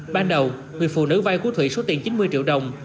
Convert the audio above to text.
ban đầu người phụ nữ vay của thụy số tiền chín mươi triệu đồng